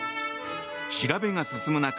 調べが進む中